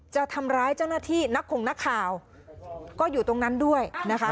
จะทำร้ายเจ้าหน้าที่นักคงนักข่าวก็อยู่ตรงนั้นด้วยนะคะ